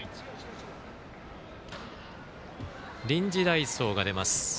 臨時代走が出ます。